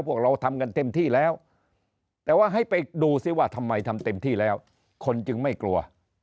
พวกเราทำกันเต็มที่แล้วแต่ว่าให้ไปดูซิว่าทำไมทำเต็มที่แล้วคนจึงไม่กลัว